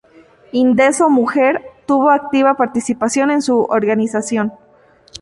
Indeso-Mujer tuvo activa participación en su organización.